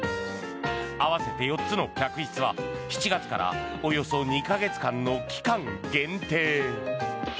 合わせて４つの客室は７月からおよそ２か月間の期間限定。